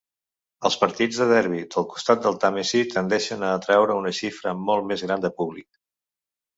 Els partits de derbi del costat del Tàmesi tendeixen a atraure una xifra molt més gran de públic.